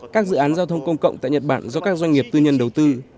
các dự án giao thông công cộng tại nhật bản do các doanh nghiệp tư nhân đầu tư